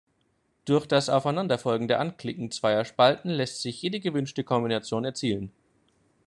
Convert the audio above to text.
Durch das aufeinanderfolgende Anklicken zweier Spalten lässt sich jede gewünschte Kombination erzielen.